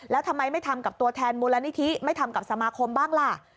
แล้วทำไมไม่ทำกับตัวแทนมูลนิธิไม่ทำกับสมาคมบ้างล่ะ